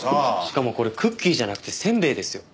しかもこれクッキーじゃなくてせんべいですよ。